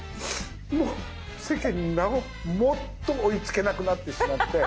もう世間になおもっと追いつけなくなってしまって。